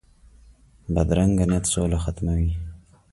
بدرنګه نیت سوله ختموي